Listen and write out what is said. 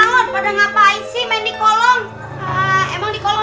jangan ambil kupon aku